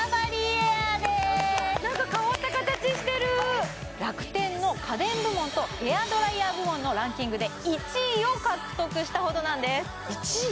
エアーでーす何か変わった形してる楽天の家電部門とヘアドライヤー部門のランキングで１位を獲得したほどなんです１位？